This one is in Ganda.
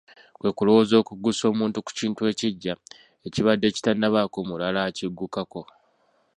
Kwe kulowooza okuggusa omuntu ku kintu ekiggya, ekibadde kitannabaako mulala akiggukako.